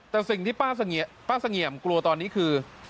แต่สิ่งที่ป้าเสงี่ยมกลัวตอนนี้คือ